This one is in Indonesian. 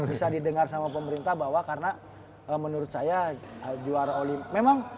bisa didengar sama pemerintah bahwa karena menurut saya juara olimpik memang